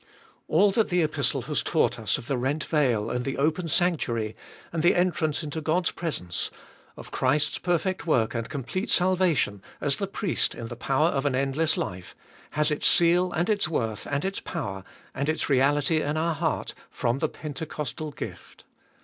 All that the Epistle has taught us of the rent veil and the opened sanctuary and the entrance into God's presence, of Christ's perfect work and complete salvation as the Priest in the power of an endless life, has its seal and its worth and its power and its reality in our heart, from the Pentecostal gift.